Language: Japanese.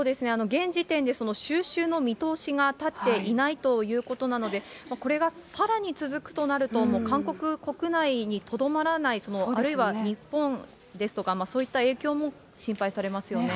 現時点で収拾の見通しが立っていないということなので、これがさらに続くとなると、韓国国内にとどまらない、あるいは日本ですとか、そういった影響も心配されますよね。